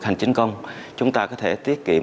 hành chính công chúng ta có thể tiết kiệm